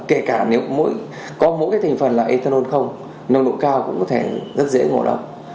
kể cả nếu có mỗi thành phần là ethanol không nồng độ cao cũng có thể rất dễ ngộ độc